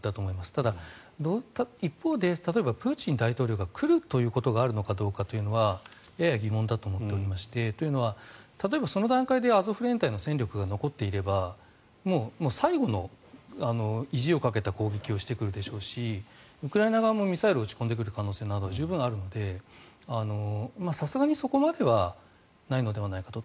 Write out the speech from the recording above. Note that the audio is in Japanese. ただ、一方で例えばプーチン大統領が来るということがあるのかどうかというのはやや疑問だと思っていまして例えば、その段階でアゾフ連隊の戦力が残っていればもう最後の意地をかけた攻撃をしてくるでしょうしウクライナ側もミサイルを撃ち込んでくる可能性などが十分あるのでさすがにそこまではないのではないかと。